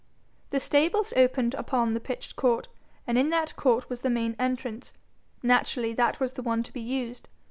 The stables opened upon the pitched court, and in that court was the main entrance: naturally that was the one to be used.